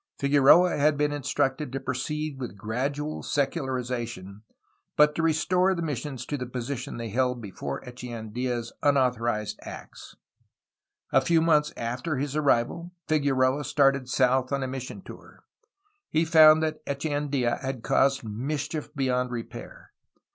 Figueroa had been instructed to proceed with gradual secularization, but to restore the missions to the position they had held before Echeandia's unauthorized acts. A few months after his arrival Figueroa started south on a mission tour. He found that Echeandia had caused mischief beyond repair.